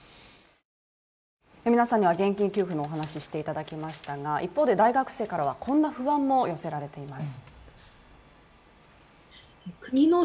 皆さんには現金給付のお話をしていただきましたが一方で大学生からはこんな不安も寄せられています。